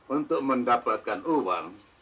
untuk mendapatkan uang